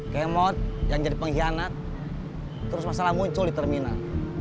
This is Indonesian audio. kemot yang jadi pengkhianat terus masalah muncul di terminal